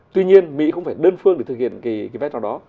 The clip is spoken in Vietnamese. tuy nhiên mỹ không phải đơn phương để thực hiện cái vai trò đó